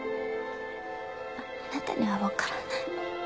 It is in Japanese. あなたにはわからない。